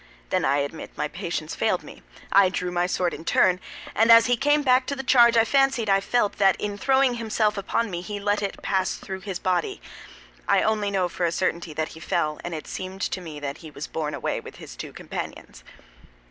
Then I admit my patience failed me; I drew my sword in my turn, and as he came back to the charge, I fancied I felt that in throwing himself upon me, he let it pass through his body. I only know for a certainty that he fell; and it seemed to me that he was borne away with his two companions."